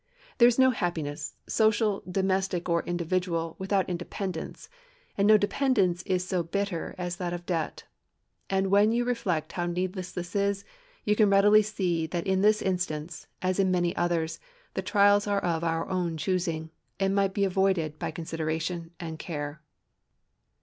There is no happiness, social, domestic, or individual, without independence; and no dependence is so bitter as that of debt. And when you reflect how needless this is, you can readily see that in this instance, as in many others, the trials are of our own choosing, and might be avoided by consideration and care.